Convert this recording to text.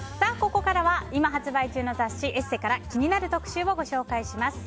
ここからは今発売中の雑誌「ＥＳＳＥ」から気になる特集をご紹介します。